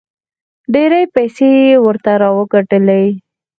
ډېرې پیسې یې ورته راوګټلې.